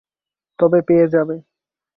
তবে পেয়ে যাবে।